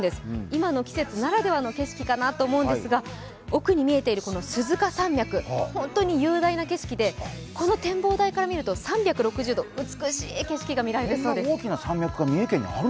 今の季節ならではの景色かなと思うんですが奥に見えている鈴鹿山脈、本当に雄大な景色で展望台から見ると３６０度、美しい景色が見えるんです。